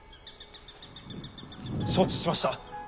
承知しました。